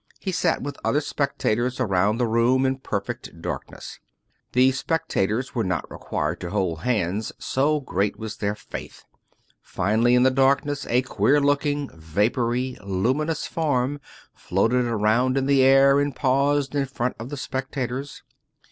He sat with other spectators around the room in perfect darkness. The spectators were not re quired to hold hands, so great was their faith. Finally, in the darkness, a queer looking, vapory, luminous form floated around in the air and paused in front of the spec tators.